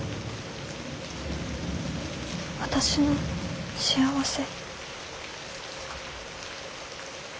私の幸せ。